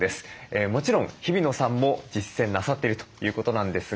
もちろん日比野さんも実践なさっているということなんですが。